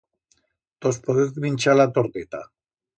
Tos podez minchar la torteta.